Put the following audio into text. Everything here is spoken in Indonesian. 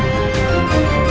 dan kami menolakkan itu